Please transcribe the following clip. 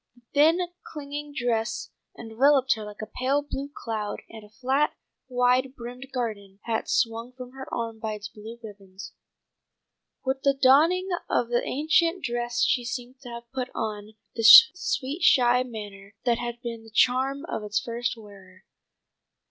The thin, clinging dress enveloped her like a pale blue cloud, and a flat, wide brimmed garden hat swung from her arm by its blue ribbons. With the donning of the ancient dress she seemed to have put on the sweet shy manner that had been the charm of its first wearer.